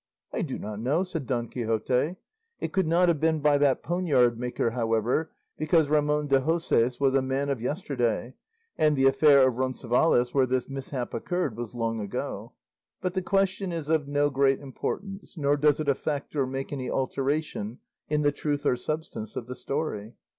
"I do not know," said Don Quixote; "it could not have been by that poniard maker, however, because Ramon de Hoces was a man of yesterday, and the affair of Roncesvalles, where this mishap occurred, was long ago; but the question is of no great importance, nor does it affect or make any alteration in the truth or substance of the story."